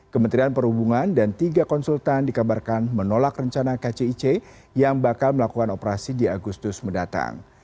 kementerian perhubungan dan tiga konsultan dikabarkan menolak rencana kcic yang bakal melakukan operasi di agustus mendatang